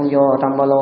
vô trong ba lô